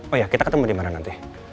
oh iya kita ketemu dimana nanti